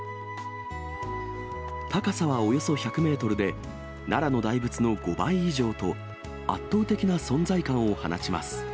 高さはおよそ１００メートルで、奈良の大仏の５倍以上と、圧倒的な存在感を放ちます。